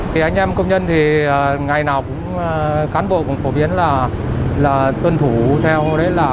thì anh em công nhân thì ngày nào cũng cán bộ cũng phổ biến là tuân thủ theo đấy là